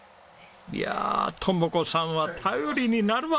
いやあ知子さんは頼りになるわ！